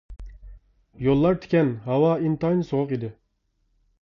يوللار تىكەن، ھاۋا ئىنتايىن سوغۇق ئىدى.